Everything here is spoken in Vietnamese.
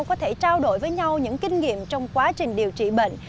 có thể trao đổi với nhau những kinh nghiệm trong quá trình điều trị bệnh